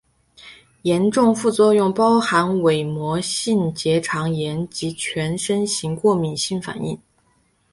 严重副作用包含伪膜性结肠炎及全身型过敏性反应。